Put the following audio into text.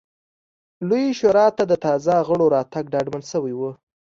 لویې شورا ته د تازه غړو راتګ ډاډمن شوی و.